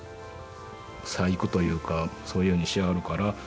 細工というかそういうふうにしはるから。